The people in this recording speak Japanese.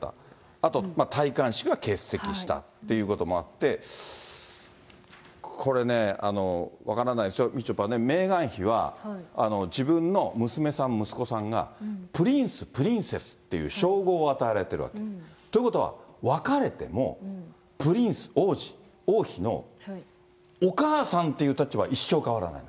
あと戴冠式は欠席したっていうこともあって、これね、分からないですよ、みちょぱね、メーガン妃は、自分の娘さん、息子さんが、プリンス、プリンセスっていう称号を与えられてるわけ。ということは、別れてもプリンス、王子、王妃のお母さんっていう立場は一生変わらない。